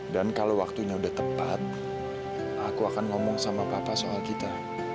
dan kalau waktunya udah tepat aku akan ngomong sama papa soal kita